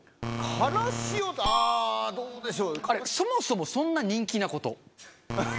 からしを、あー、どうでしょそもそもそんな人気なこと。